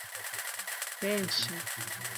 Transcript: henshi